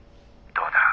どうだ？